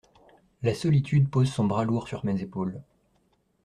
La solitude pose son bras lourd sur mes épaules.